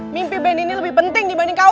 mimpi ben ini lebih penting dibanding kawan aku